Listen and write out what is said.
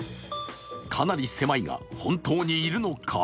かなり狭いが本当にいるのか？